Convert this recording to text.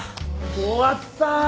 終わった！